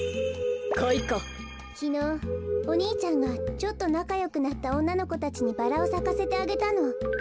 きのうお兄ちゃんがちょっとなかよくなったおんなのこたちにバラをさかせてあげたの。